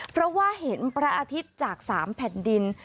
เพราะว่าเห็นพระอาทิตย์จาก๓แผ่นดิน